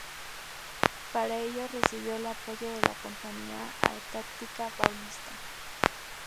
Para ello recibió el apoyo de la Companhia Antarctica Paulista.